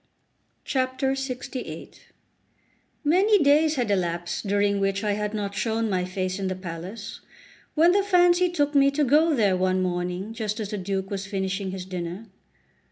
LXVIII MANY days had elapsed during which I had not shown my face in the palace, when the fancy took me to go there one morning just as the Duke was finishing his dinner.